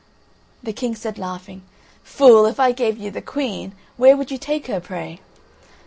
The King said laughing: "Fool, if I gave you the Queen, where would you take her, pray?"